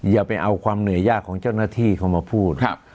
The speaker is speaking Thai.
อย่าไปเอาความเหนื่อยยากของเจ้าหน้าที่เขามาพูด